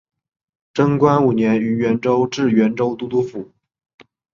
贞观五年于原州置原州都督府。